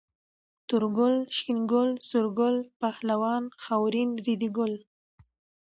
تور ګل، شين ګل، سور ګل، پهلوان، خاورين، ريدي ګل